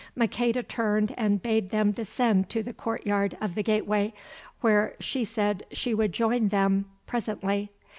Maqueda turned and bade them descend to the courtyard of the gateway, where she said she would join them presently.